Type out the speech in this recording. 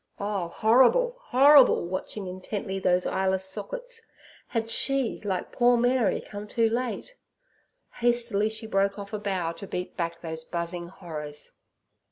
Oh, horrible! horrible!—watching intently those eyeless sockets. Had she, like poor Mary, come too late? Hastily she broke off a bough to beat back those buzzing horrors.